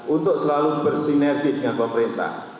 untuk selalu bersinergi dengan pemerintah